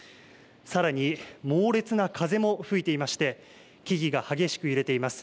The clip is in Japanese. さらに猛烈な風も吹いていまして木々が激しく揺れています。